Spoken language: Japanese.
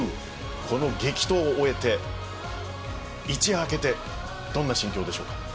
この激闘を終えて一夜明けてどんな心境でしょうか。